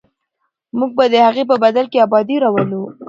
موږ به د هغې په بدل کې ابادي راولو.